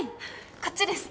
こっちです